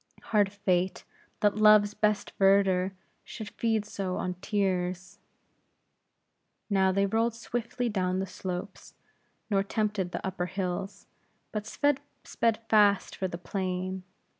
Hard fate, that Love's best verdure should feed so on tears!" Now they rolled swiftly down the slopes; nor tempted the upper hills; but sped fast for the plain.